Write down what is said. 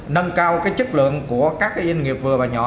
nâng cao chất lượng của các doanh nghiệp vừa và nhỏ